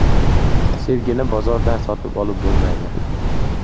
• Sevgini bozordan sotib olib bo‘lmaydi.